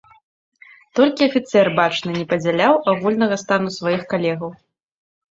Толькі афіцэр, бачна, не падзяляў агульнага стану сваіх калегаў.